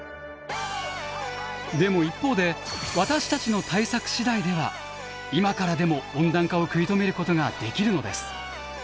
でも一方で私たちの対策しだいでは今からでも温暖化を食い止めることができるのです。